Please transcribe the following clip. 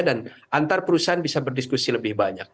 dan antar perusahaan bisa berdiskusi lebih banyak